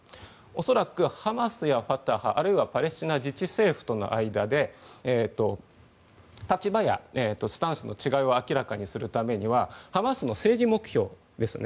恐らく、ハマスやファタハあるいはパレスチナ自治政府との間で立場やスタンスの違いを明らかにするためにはハマスの政治目標ですね。